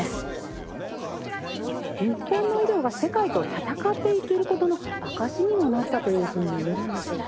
日本の医療が世界と戦っていける事の証しにもなったというふうにいえるんでしょうか。